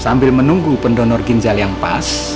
sambil menunggu pendonor ginjal yang pas